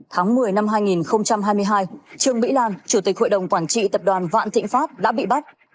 tháng một mươi năm hai nghìn hai mươi hai trương mỹ lan chủ tịch hội đồng quản trị tập đoàn vạn thịnh pháp đã bị bắt